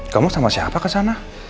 kamu sama siapa ke sana